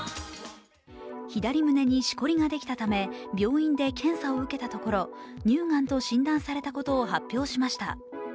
左胸にしこりができたため病院で検査を受けたところ乳がんと診断されたことを発表しました。